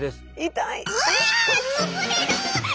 痛い。